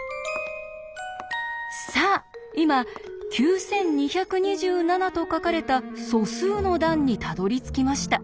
さあ今「９２２７」と書かれた素数の段にたどりつきました。